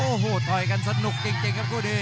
โอ้โหต่อยกันสนุกจริงครับคู่นี้